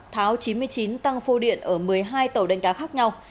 tháo chín mươi chín tăng phô điện ở một mươi hai tàu đánh cá khác nhau